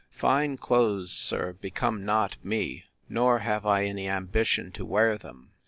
Fine clothes, sir, become not me; nor have I any ambition to wear them.